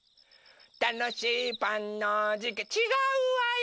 たのしいパンのじかちがうわよ！